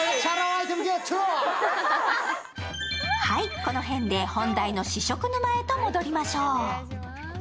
はい、この辺で本題の試食沼へと戻りましょう。